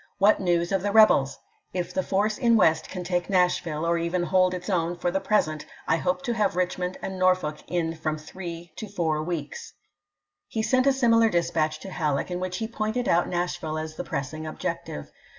What news of the rebels ! If the force in West can take fo B^eiT Nash^ille, or even hold its own for the present, I 1862: ^'wl^R. hope to have Eichmond and Norfolk in from three ^p.' 64o/" to f om* weeks." He sent a similar dispatch to Hal leek, in which he pointed out Nashville as the pressing objective.